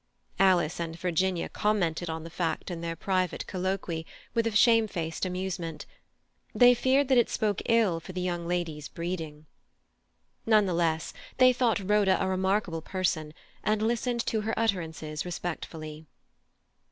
Alice and Virginia commented on the fact in their private colloquy with a shamefaced amusement; they feared that it spoke ill for the young lady's breeding. None the less they thought Rhoda a remarkable person, and listened to her utterances respectfully.